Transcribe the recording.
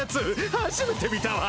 初めて見たわ。